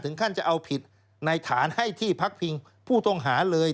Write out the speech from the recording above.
ท่านจะเอาผิดในฐานให้ที่พักพิงผู้ต้องหาเลย